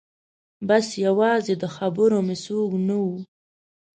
بس یوازې د خبرو مې څوک نه و